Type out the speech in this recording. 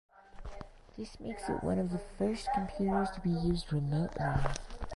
This makes it one of the first computers to be used remotely.